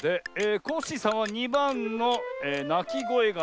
コッシーさんは２ばんの「なきごえがない」。